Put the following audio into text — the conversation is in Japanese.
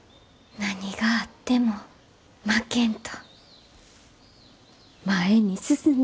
何があっても負けんと前に進んでほしい。